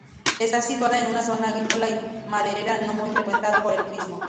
Está situada en una zona agrícola y maderera no muy frecuentada por el turismo.